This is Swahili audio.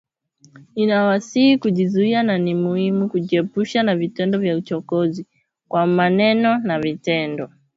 Ninawasihi kujizuia na ni muhimu kujiepusha na vitendo vya uchokozi, kwa maneno na vitendo